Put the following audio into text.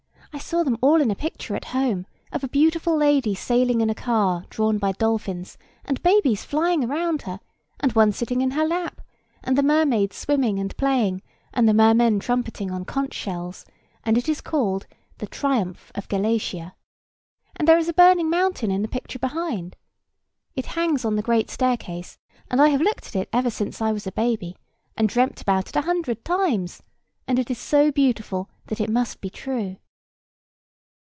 I saw them all in a picture at home, of a beautiful lady sailing in a car drawn by dolphins, and babies flying round her, and one sitting in her lap; and the mermaids swimming and playing, and the mermen trumpeting on conch shells; and it is called 'The Triumph of Galatea;' and there is a burning mountain in the picture behind. It hangs on the great staircase, and I have looked at it ever since I was a baby, and dreamt about it a hundred times; and it is so beautiful, that it must be true."